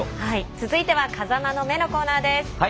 続いては「風間の目」のコーナーです。